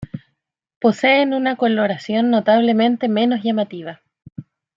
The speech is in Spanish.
Poseen una coloración notablemente menos llamativa.